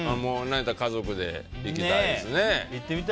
家族で行きたいですね。